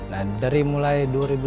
nah dari mulai dua ribu sebelas